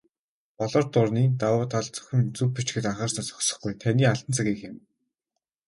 "Болор дуран"-ийн давуу тал зөвхөн зөв бичихэд анхаарснаар зогсохгүй, таны алтан цагийг хэмнэнэ.